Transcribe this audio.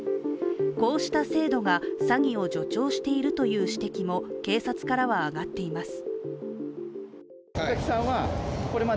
こうした制度が詐欺を助長しているという指摘も警察からはあがっています。